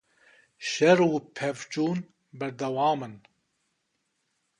Şer û pevçûn berdewam in.